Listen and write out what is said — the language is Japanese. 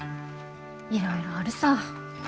いろいろあるさ。